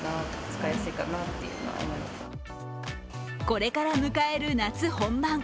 これから迎える夏本番。